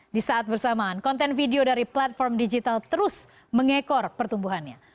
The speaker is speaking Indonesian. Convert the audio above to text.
di saat bersamaan konten video dari platform digital terus mengekor pertumbuhannya